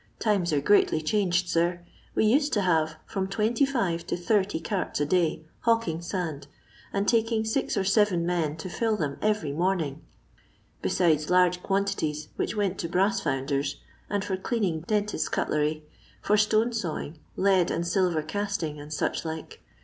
Times are greatly changed, sir; we usod to huve from 26 to 80 carta a day hawking sand, and taking six or seven men to fill them every morning ; besides large quantities whieh went to brass lounders, and for denning dentists' cutlery, for stone sawing, lead and silver casting, and such like.